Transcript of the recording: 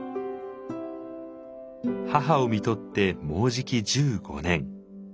母をみとってもうじき１５年。